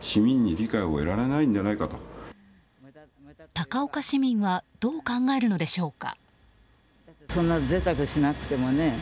高岡市民はどう考えるのでしょうか。